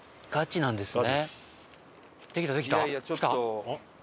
そうなんですね。